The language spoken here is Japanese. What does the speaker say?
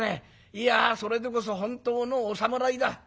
いやそれでこそ本当のお侍だ。